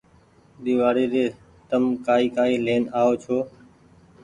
ۮيوآڙي ري تم ڪآئي ڪآئي لين آئو ڇو